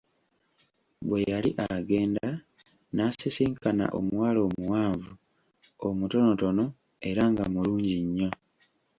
Bwe yali agenda n'asisinkana omuwala omuwanvu, omutonotono era nga mulungi nnyo.